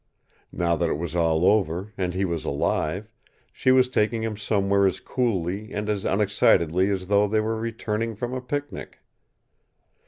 Now that it was all over, and he was alive, she was taking him somewhere as coolly and as unexcitedly as though they were returning from a picnic.